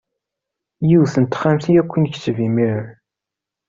Yiwet n texxamt akk i nekseb imiren.